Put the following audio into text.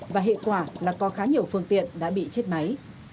và hệ quả là có khá nhiều phương tiện đã bị chết máy